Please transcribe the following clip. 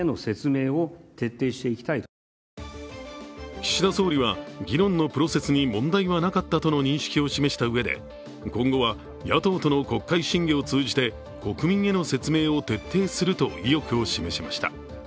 岸田総理は議論のプロセスに問題はなかったとの認識を示したうえで今後は野党との国会審議を通じて国民への説明を徹底すると意欲を示しました。